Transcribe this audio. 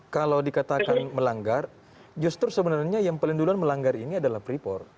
kalau dikatakan melanggar justru sebenarnya yang pelindungan melanggar ini adalah freeport